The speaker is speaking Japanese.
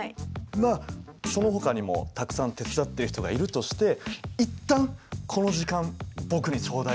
まあそのほかにもたくさん手伝っている人がいるとして一旦この時間僕に頂戴。